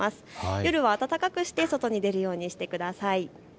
夜は暖かくして外に出るようにしてください。